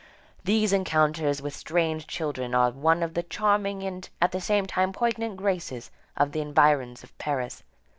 These encounters with strange children are one of the charming and at the same time poignant graces of the environs of Paris.